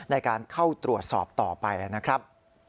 ในการเข้าตรวจสอบต่อไปนะครับ